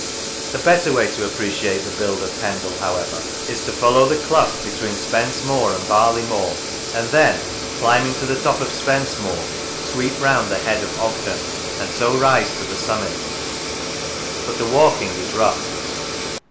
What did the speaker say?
The better way to appreciate the build of Pendle, however, is to follow the clough between Spence Moor and Barley Moor, and then, climbing to the top of Spence Moor, sweep round the head of Ogden and so rise to the summit, but the walking is rough.